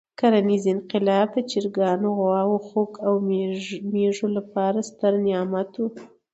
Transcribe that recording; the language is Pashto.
کرنیز انقلاب د چرګانو، غواوو، خوګ او مېږو لپاره ستر نعمت وو.